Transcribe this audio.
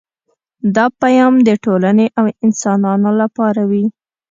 دا پیام د ټولنې او انسانانو لپاره وي